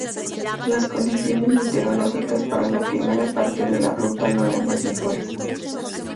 Las condiciones meteorológicas para la primera parte de la ruta no eran las mejores.